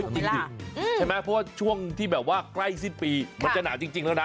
จริงใช่ไหมเพราะว่าช่วงที่แบบว่าใกล้สิ้นปีมันจะหนาวจริงแล้วนะ